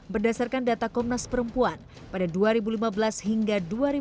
berdasarkan data komnas perempuan pada dua ribu lima belas hingga dua ribu dua puluh